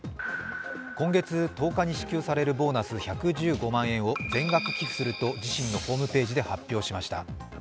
今月１０日に支給されるボーナス１１５万円を全額寄付すると自身のホームページで発表しました。